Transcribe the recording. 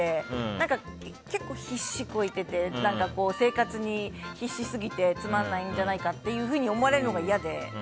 何か結構、必死こいてて生活に必死すぎてつまんないんじゃないかって思われるのが嫌で。